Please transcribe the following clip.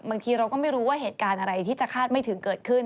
บางทีเราก็ไม่รู้ว่าเหตุการณ์อะไรที่จะคาดไม่ถึงเกิดขึ้น